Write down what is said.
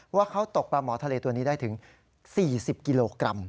ว่าเขาตกปลาหมอทะเลตัวนี้ได้ถึง๔๐กิโลกรัม